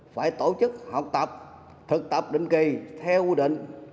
phải tổ chức học tập thực tập định kỳ theo quy định